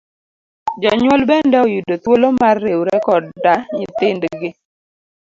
Jonyuol bende oyudo thuolo mar riwre koda nyithind gi.